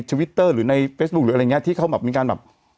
วิตเตอร์หรือในเฟซบุ๊คหรืออะไรอย่างเงี้ที่เขาแบบมีการแบบ